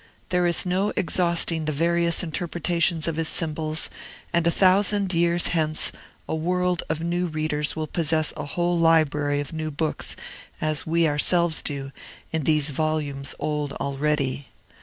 There is no exhausting the various interpretation of his symbols; and a thousand years hence, a world of new readers will possess a whole library of new books, as we ourselves do, in these volumes old already.